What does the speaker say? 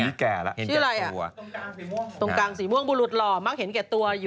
ตรงกลางสีม่วงบุรุษหล่อมักเห็นแก่ตัว